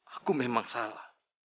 aku memang salah